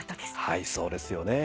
はいそうですよね。